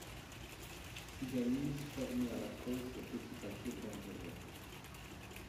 Cydalise fermait à la colle ces petits paquets dangereux.